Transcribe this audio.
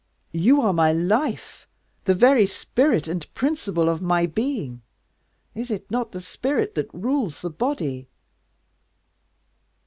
"You are my life, the very spirit and principle of my being. Is it not the spirit that rules the body?"